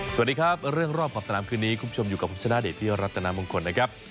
สวัสดีครับเรื่องรอบขอบสนามคืนนี้คุณผู้ชมอยู่กับผมชนะเดชพิรัตนามงคลนะครับ